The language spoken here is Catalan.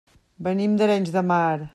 Venim d'Arenys de Mar.